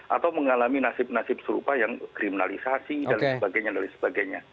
atau mengalami nasib nasib serupa yang kriminalisasi dan sebagainya